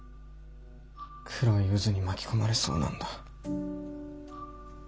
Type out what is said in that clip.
黒い渦に巻き込まれそうなんだ。